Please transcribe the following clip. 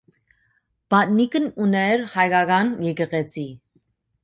Բադնիքն ուներ հայկական եկեղեցի։